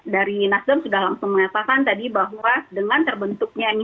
dari nasdem sudah langsung mengatakan tadi bahwa dengan terbentuknya